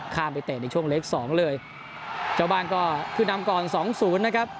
ไปเตะในช่วงเล็กสองเลยเจ้าบ้านก็ขึ้นนำก่อนสองศูนย์นะครับ